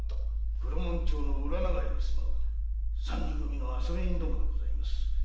黒門町の裏長屋に住む三人組の遊び人でございます。